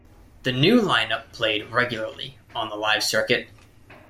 The new line-up played regularly on the live circuit.